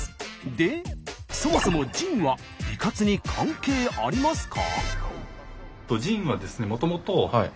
でそもそもジンは美活に関係ありますか？